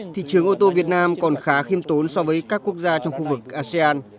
thị trường ô tô việt nam còn khá khiêm tốn so với các quốc gia trong khu vực asean